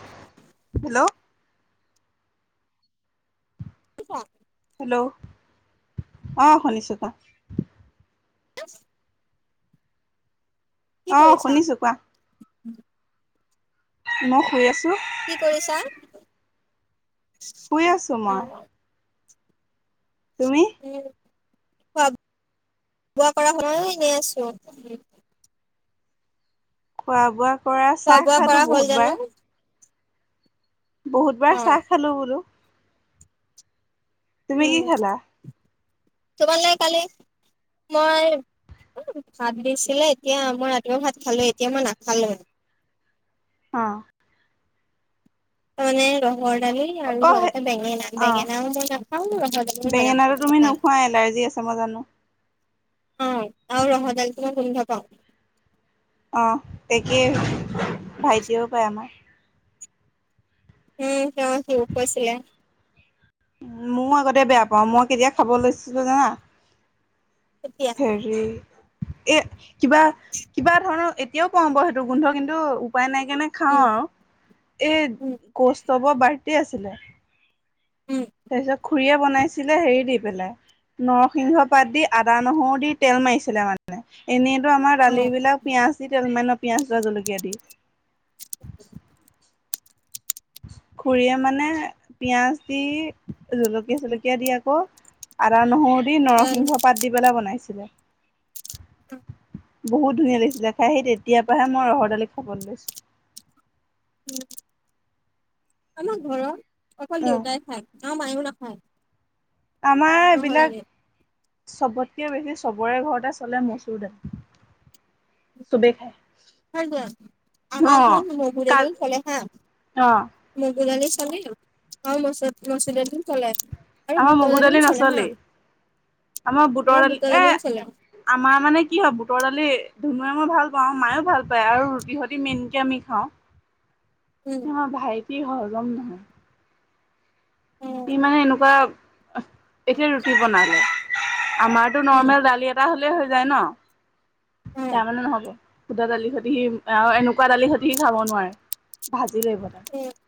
[inaudible] Hello [inaudible] hello, অ শুনিছো কোৱা? [unintelligible] অ, কৰিছা? শুনিছোঁ কোৱা? মই শুই আছোঁ। কি কৰিছা শুই আছো মই অ' তুমি। খোৱা বোৱা কৰা হলনে? এনেই আছো। খোৱা বোৱা কৰা খোৱা চাহ বোৱা কৰা খালোঁ হ'ল জানো? বহুতবাৰ। বহুত বাৰ অ', চাহ খালো বোলোঁ। তুমি উম, কি খালা তোমালে কালি মই ভাত দিছিলে এতিয়া মই ৰাতিপুৱা ভাত খালোৱে এতিয়া মই নাখালোৱে। অ', ত মানে ৰহৰ ডালি। এ [unintelligible] অ লগতে বেঙেনা অ -বেঙেনাওঁ মই নাখাওঁ ৰহৰ দালিও মই বেঙেনাটো তুমি নাখাওঁ নোখোৱা এলাৰ্জি আছে মই জানো অ, আৰু ৰহ দাইলটো মই গোন্ধ পাওঁ। অ, একেই ভাইটিয়েও পায় আমাৰ। উম, তেওঁ আহি মোক কৈছিলে। ময়ও আগতে বেয়া পাওঁ মই কেতিয়া খাব লৈছিলো জানা তেতিয়া হেৰি এ কিবা- কিবা ধৰণৰ এতিয়াও পাওঁ বাৰু সেইটো গোন্ধ কিন্তু উপায় নাই। কেনে খাও উম, আৰু এই উম, কৌস্তবৰ বাৰ্থডে আছিলে। উম, তাৰপিছত খুৰীয়ে বনাইছিলে হেৰি দি পেলাই। নৰসিংহ পাত দি আদা নহৰু দি তেল মাৰিছিলে মানে এনেই ত'আমাৰ দালি অ', বিলাক পিয়াজ দি তেল মাৰে পিয়াজ ন' পিয়াজ বা জলকীয়া দি। [inaudible] খুৰীয়ে মানে পিয়াজ দি জলকীয়া চলকীয়া দি আকৌ আদা, নহৰু দি নৰসিংহ পাত দি পেলাই বনাইছিলে। বহুত ধুনীয়া লাগিছিলে খাই সেই তেতিয়াৰ পৰাহে মই ৰহৰ দালি খাবলৈ লৈছোঁ। আমাৰ ঘৰৰ অকল অ দেউতাই খায় আমাৰ মায়েও নাখায়। আমাৰ ৰহৰ এইবিলাক দালি। চবতকে বেছি চবৰে ঘৰতে চলে মচুৰ দালি। চবে খাই। [unintelligible] আমাৰ ঘৰত মগু কা দালিও চলে হা। অ মগু দালি চলিল আাৰু মচু -মচুৰ দালিও চলে। আৰু আমাৰ বুটৰ মগু দালিও দালি চলে হা নচলেই আমাৰ বুটৰ দালি এ আমাৰ মানে কি হয় বুটৰ দালি ধুনুুৱে মই ভাল পাওঁ মায়ো ভাল পায় আৰু ৰুটি সতি মেইনকে আমি খাওঁ। উম, অ, ভাইটি হয় হজম নহয়। উম সি মানে এনেকুৱা এতিয়া ৰুটি বনালে আমাৰতো উম নৰ্মেল দালি এটা হ'লে হৈ যায় ন' উম, তাৰ মানে নহ'ব। সুদা দালি সৈতে সি আৰু এনেকুৱা দালিৰ সৈতে সি খাব নোৱাৰে ভাজি লাগিব তাক। [unintelligible]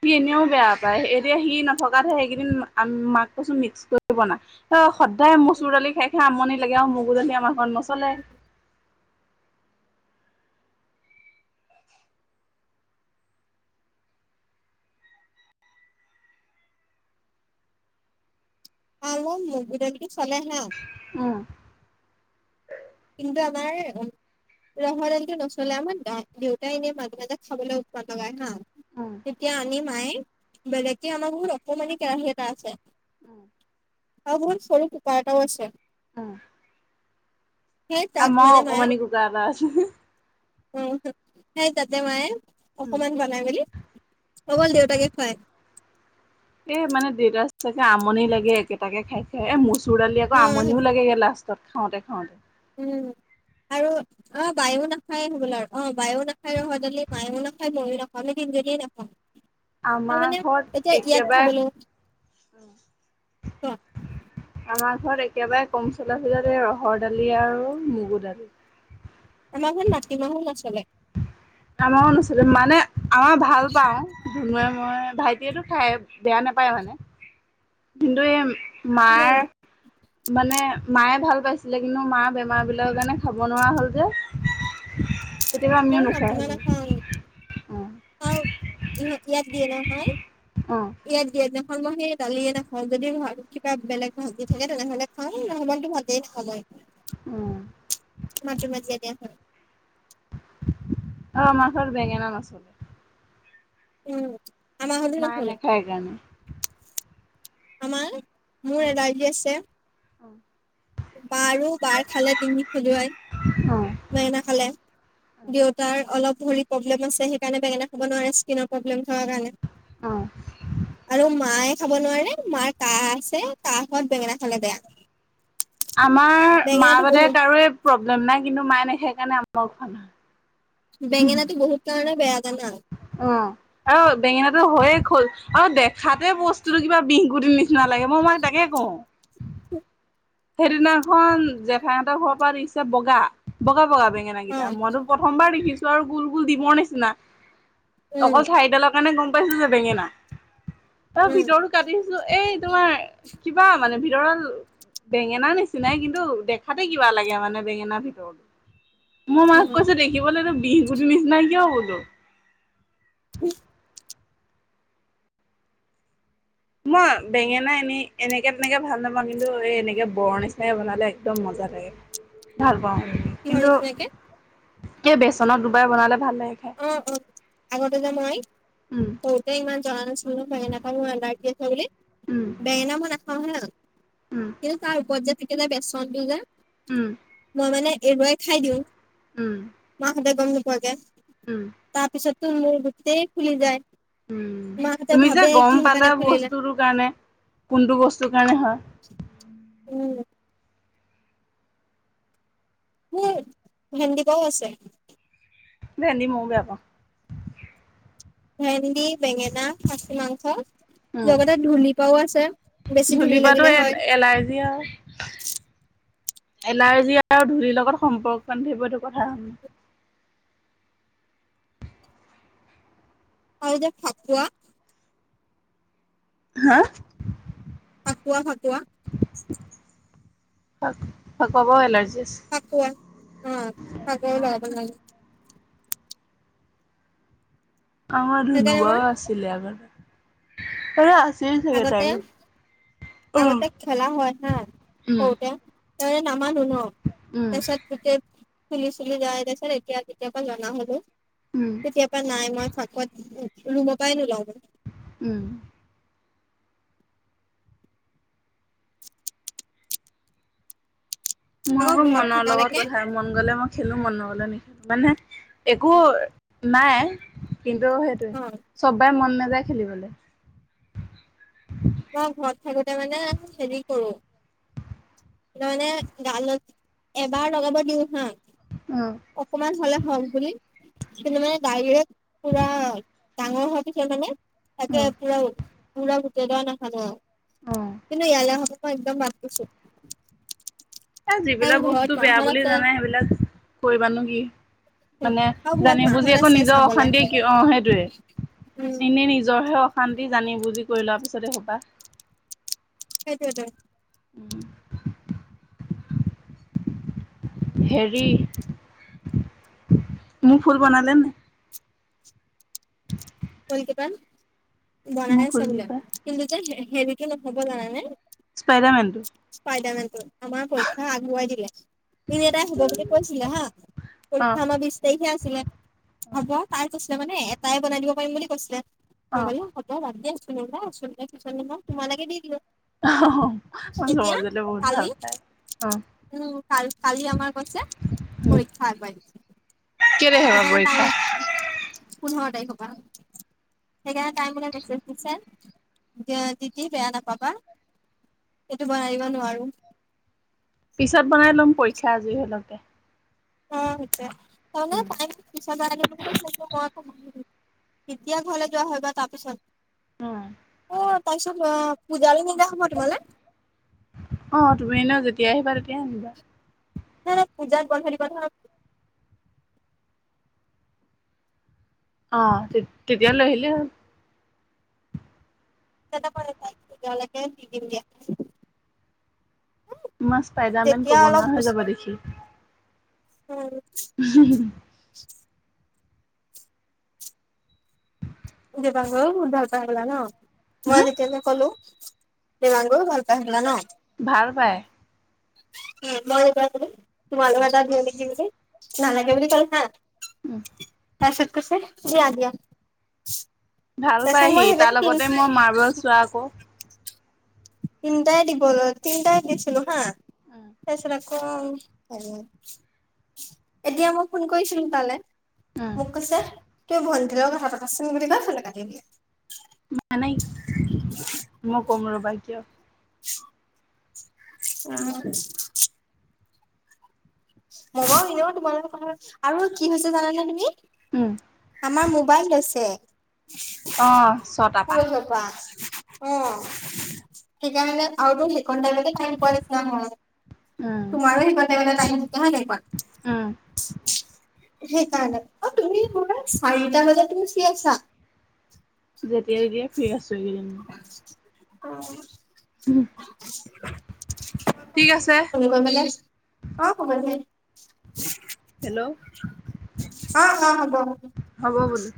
সি এনেও বেয়া পায় এতিয়া সি নথকাতহে সেইকেইদিন মাক কৈছো মিক্স কৰি বনা। অ, সদায় উম। মচুৰ দালি খাই -খাই আমনি লাগে আও মগু দালি আমাৰ ঘৰত নচলে। [unintelligible] মগু দালিটো চলে হা। উম, কিন্ত আমাৰ উম, ৰহৰ দালিটো নচলে আমাৰ অ, দেউতাই এনেই মাজে- মাজে খাবলে উৎপাত লগাই হা। উম তেতিয়া আনি মায়ে বেলেগে আমাৰ বহুত অকমানি কেৰাহী এটা আছে। উম। অ বহুত সৰু কোকাৰ এটাও আছে। উম। সেই তাত আমাৰও মানে মায়ে অকমানি কোকাৰ এটা আছে। উম, হু সেই তাতে মায়ে উম, অকমান [unintelligible] বনাই মেলি অকল দেউতাকে খুৱাই। এ মানে দেউতাৰচ চাগে আমনি লাগে একেটাকে খাই- খাই এ মচুৰ দালি উম আকৌ আমনিও হৈছে লাগেগে লাষ্ট। তাত খাওঁতে -খাওঁতে। উম, আৰু অ বায়ো নাখাই হবলা আৰু অ বায়ো নাখায় ৰহ দালি মায়ো নাখায় ময়ো নাখওঁ আমি তিনজনীয়ে নখাওঁ। তাৰ আমাৰ মানে ঘৰত এতিয়া ইয়াত একেবাৰে খাবলো ক। আমাৰ ঘৰত একেবাৰে কম চলা ফিৰা এই ৰহৰ দালি আৰু মগু দালি। আমাৰ ঘৰত মাটিমাহো নচলে। আমাৰও নচলে মানে আমাৰ ভাল পাওঁ। ধুনোৱে মই ভাইটিয়েটো খাই বেয়া নাপায় মানে কিন্তু ভিনদেউয়েম মায়ে মইও মানে মায়ে ভাল পাইছিলে কিন্তু মাৰ বেমাৰ বিলাকৰ কাৰণে খাব নোৱাৰা হ'ল যে। তেতিয়া পা আমিও নোখোৱা হলোঁ। আও ইহঁত ইয়াত দিয়ে নহয়। অ। ইয়াত দিয়া দিনাখন মই সেই দালিয়ে নাখাওঁ। যদি ভা কিবা বেলেগ ভাজি দি থাকে তেনেহলে খাওঁ নহবাটো ভাতেই নাখাওঁ মই। উম। মাজে মাজে দিয়া হা। অ মাছৰ বেঙেনা মাছ। উম আমাৰ হ'লেও মায়ে নচলে, নাখায় কাৰণে আমাৰ অ মোৰ এলাৰজি আছে। অ। বাৰু বাৰ খালে ডিঙি খজুৱাই। অ। বেঙেনা খালে, দেউতাৰ অলপ ভৰি প্ৰব্লেম আছে সেইকাৰণে বেঙেনা খাব নোৱাৰে স্কিনৰ প্ৰব্লেম থকা কাৰণে অ আৰু মাই খাব নোৱাৰে, মাৰ কাহ আছে কাহত বেঙেনা খালে বেয়া। আমাৰ মা বেঙেনাটো বাদেই বহুত কাৰো প্ৰব্লেম নাই কিন্তু মায়ে নেখাই কাৰণে আমাৰ খোৱা নহয়। বেঙেনাটো বহুত কাৰণে বেয়া জানা। অহ। অ বেঙেনাটো হয়ে খৈ আৰু দেখাতে বস্তুতটো কিবা বিষ গুটিৰ নিচিনা লাগে মই মাক তাকে কওঁ। সেইদিনাখন জেঠাই হঁতৰ ঘৰৰ পৰা দিছে বগা, বগা বগা বেঙেনা অ কেইটা মইতো পত- প্ৰথমবাৰ দেখিছো আৰু গোল গোল দিমৰ নিচিনা উম অকল ঠাইডালত মানে গম পাইছো যে বেঙেনা। তাৰ উম ভিতৰতো কাটিছো এই তোমাৰ কিবা মানে ভিতৰল বেঙেনাৰ নিচিনাই কিন্তু দেখাতে কিবা লাগে মানে বেঙেনাৰ ভিতৰত। মোৰ মাক উম কৈছে দেখিবলৈ বিহ গুটিৰ নিচিনাই কিয় বোলোঁ। [unintelligible] মই বেঙেনা এনে এনেকে তেনেকে ভাল নাপাওঁ কিন্তু এই এনেকে বৰ নিচিনাকে বনালে একদম মজা লাগে। ভাল পাওঁ কিহৰ কিন্তু নিচিনাকে কে বেচনত দুবাৰ বনালে ভাল লাগে। খাই। অ অ আগতে যে মই উম [unintelligible] তেই ইমান জনা নাছিলো ন বেঙেনা খাই মোৰ এলাৰ্জীৰ আছে বুলি, উম বেঙেনা মই নাখাওঁ হা উম কিন্তু তাৰ ওপৰত যে থাকে যে বেচনটো যে উম মই মানে এৰোৱাই খাই দিওঁ। উম মা হতে গম নোপোৱাকে উম তা পিছত তোৰ মোৰ গুটিতেই ফুলি যায়। উম মাহঁতে তুমি যে ভাবে গম কিহৰ পালা কাৰণে ফুলিলে বস্তুটোৰ কাৰণে কোনটো বস্তুৰ কাৰণে হয় উম। মোৰ ভেন্দিকাও আছে ভেন্দি মইয়ো বেয়া পাওঁ। ভেন্দি, বেঙেনা, খাছী মাংস উম। লগতে ধূলিৰ পাওঁ আছে বেছি ধূলি পৰাটো লাগিলে এল হয়। এলাৰ্জি আ এলাৰ্জি আৰু ধূলিৰ লগত সম্পৰ্ক বানন্ধিব এইটো কথা হ আও যে ফাকুৱা হা ফাকুৱা ফাকুৱা ফাক ফাকুৱা পাওঁ এলাৰ্জি আছে। ফাকুৱা অ ফাকুৱা লগাব নালাগে। আমাৰ সেইকাৰণে ধুনুবাও মই আছিলে আগতে এই আছিল চাগে আগতে তাইকে আগতে খেলা হয় হা উম সৰুতে ত নামানো ন উম তাৰপিছত গোটেই ফুলি চুলি যাই তাৰপাছত এতিয়া তেতিয়াবা জনা হ'লো উম কেতিয়া পৰা নাই মই ফাকুৱাত ৰুমৰ পাই নোলাওঁ। উম মই আকৌ ঘৰত মনৰ লগত থকালৈকে কথা মন গলে মই খেলো মন নগলে নেখেলো মানে। একো নাই কিন্তু সেইটোৱে অ চববাই মন নাযায় খেলিবলে। মই ঘৰত থাকোতে মানে হেৰি কৰো। ননে গালত এবাৰ লগাব দিওঁ হা। উম। অকমান হলে হওক বুলি কিন্তু মানে দাইৰেক পুৰা। ডাঙৰ হ পিছত মানে তাকে উম পুৰা পুৰা গোটেই দৰা নাহানো আও উম কিন্তু ইয়ালে আহা পাছত মই একদম বতদিছো এ যিবিলাক বস্তু বেয়া বুলি জানে সেইবিলাক কৰিবানো কি মানে আৰু ঘৰত জানি বুজি মাহত আকৌ আছে নিজৰ চাবলে অশান্তি কি অ সেইটোৱে উম এনেই নিজৰহে অশান্তি জানি বুজি কৰি লোৱাৰ পিছত এসোপা সেইটোতো উম হেৰি মোৰ ফুল বনালে নে? কল কেইটান বনাই মোৰ আছে ফুল বোলে কিপা কিন্তু যে হেৰিটো নহব জানানে। স্পাইডাৰমেন টো ইস্পায়দায় মেন্তো [unintelligible] আমাৰ পৰীক্ষা আগুৱাই দিলে। ইনি এটাই হব বুলি কৈছিলে হা অ পৰীক্ষা আমাৰ বিশ তাৰিখে আছিলে। হ'ব তাই কৈছিলে মানে এটাই বনাই দিব পাৰিম বুলি কৈছিলে অ নগলো। [unintelligible] মজ মজলে বহুল ভাল কালি পায় অ উম কাল কালি আমাৰ কৈছে পৰীক্ষা আগবাঢ়িছে। কে তাৰিখ পৰা পৰীক্ষা। পোন্ধৰ তাৰিখৰ পৰা সেইকাৰণে টাই মোলে মেচেজ দিছে। দিয়া যদি বেয়া নাপাবা এইটো বনাই দিব নোৱাৰো। পিছত বনাই ল'ম পৰীক্ষা আজৰি হলতে। অ সেইতোয়ে তামেনে পিছত। মই কেতিয়া ঘৰলৈ যোৱা হয় বা তাৰপিছত। উম, অ তাৰপিছত অ পূজাৰি নিদা হব তোমালে। অ তুমি এনেও যেতিয়া আহিবা তেতিয়াই আনিবা। নাই নাই পূজাত বন্ধ দিব নহয়। অ তেতিয়া লৈ আহিলে হল। কেইটা পৰিক্ষা আছে তেতিয়ালকে দি দিম দিয়া। মাছ স্পাইডাৰ মেন তেতিয়া ক'ব অলপ নোৱাৰা হৈ যাবা দেখি। অহ, হু হু। দেবাংগ য়েও বহুত ভাল পায় হ'বলা ন মই হম এনেকে যে ক'লো। দেবাংগ ও ভাল পাই হবলা ন। ভাল পায়। [inaudible] মই এবাৰ গলে তোমালোকৰ [unintelligible] নালাগে বুলি কলে হা। উম। তাৰপিছত কৈছে দিয়া দিয়া তাৰপিছত মই হে [unintelligible] ৰা গ। তিনটাই ডি ব তিনি টাই দিছিলো হা। কম এতিয়া মই ফোন কৰিছিলো তালে। উম মোক কৈছে তুমি ভণ্টি ৰ লগত কথা পতাচোন বুলি কৈ ফনটো কাটি দিলে। নাই মই কম ৰবা এতিয়াও। [unintelligible] অহ। মই বাও এনেও তোমালোকৰৰ আৰু কি হৈছে জানানে তুমি। উম। আমাৰ মোবাইল লৈছে অ ছটা পা পুৰজৰপৰা। অ, সেইকাৰণে আৰুতো সেইখনতে কাম পোৱা নিচিনা হয়। উম তোমাৰো সেই কন তাইমতে [unintelligible] হয় নাই কোৱা। উম সেই কাৰণ অ তুমি চাৰিটা বজাত তুমি ফ্ৰী আছা। যেতিয়াই তেতিয়াই ফ্ৰী আছো এইকেইদিন। ঠিক আছে অ [unintelligible] গৈ পেলাই অ হব দিয়া। হেল্ল' অ হব। হ'ব বোলো।